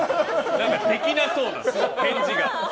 何かできなそうな返事が。